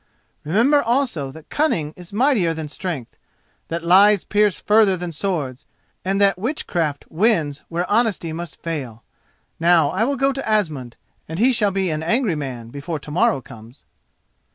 Remember also that cunning is mightier than strength, that lies pierce further than swords, and that witchcraft wins where honesty must fail. Now I will go to Asmund, and he shall be an angry man before to morrow comes."